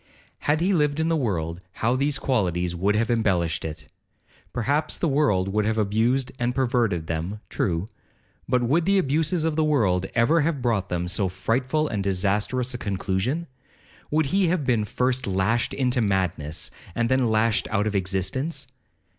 Had he lived in the world, how these qualities would have embellished it! Perhaps the world would have abused and perverted them—true; but would the abuses of the world ever have brought them to so frightful and disastrous a conclusion?—would he have been first lashed into madness, and then lashed out of existence?